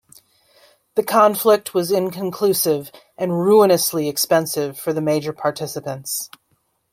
The conflict was inconclusive and ruinously expensive for the major participants.